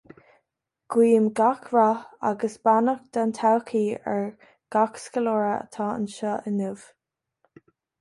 Guím gach rath agus beannacht don todhchaí ar gach scoláire atá anseo inniu.